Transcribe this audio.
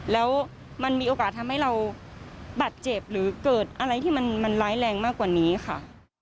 แล้วมันมีโอกาสทำให้เราบาดเจ็บหรือเกิดอะไรที่มันร้ายแรงมากกว่านี้ค่ะ